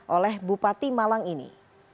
oleh bupati malang ini